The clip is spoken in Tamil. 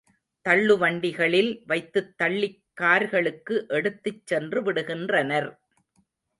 தள்ளுவண்டிகளில் வைத்துத் தள்ளிக் கார்களுக்கு எடுத்துச் சென்று விடுகின்றனர்.